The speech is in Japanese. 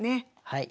はい。